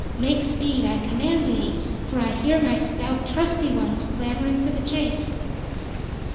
Make speed, I command thee, for I hear my stout trusty ones clamoring for the chase!"